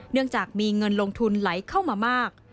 เนื่องจากมีเงินลงทุนไหลเข้ามามาก